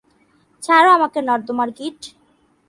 ছাড়ো আমাকে নর্দমার কীট!